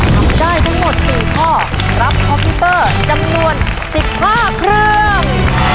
ทำได้ทั้งหมด๔ข้อรับคอมพิวเตอร์จำนวน๑๕เครื่อง